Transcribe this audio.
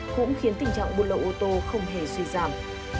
cũng khiến tình trạng buôn lậu ô tô không hề suy giảm